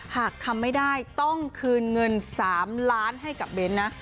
หากทำไม่ได้ต้องคืนเงิน๓ล้านให้กับเบ้นนะ